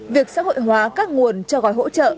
việc xã hội hóa các nguồn cho gói hỗ trợ